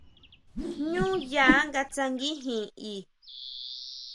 Jñú yá nga tsanguijin i.